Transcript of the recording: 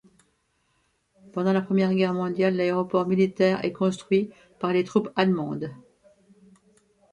Pendant la Première Guerre mondiale, l'aéroport militaire est construit par les troupes allemandes.